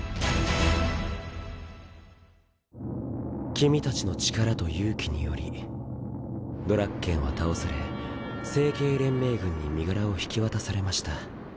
君たちの力と勇気によりドラッケンは倒され星系連盟軍に身柄を引き渡されました。